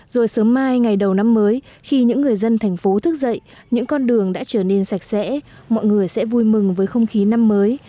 rồi sớm mai ngày đầu năm mới khi những người dân thành phố thức dậy những con đường đã trở nên sạch sẽ mọi người sẽ vui mừng với không khí năm mới